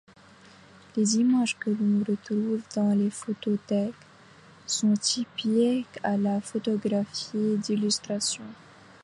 Les images que l’on retrouve dans les photothèques sont typiques à la photographie d’illustration.